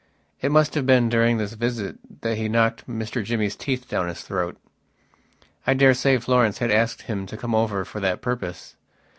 It must have been during this visit that he knocked Mr Jimmy's teeth down his throat. I daresay Florence had asked him to come over for that purpose.